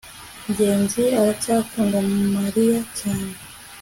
ngenzi aracyakunda mariya cyane